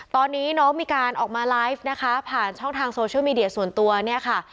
ตอนนี้น้องมีการออกมาไลฟ์นะคะผ่านช่องทางโซเชียลมีเดียส่วนตัวเนี่ยค่ะ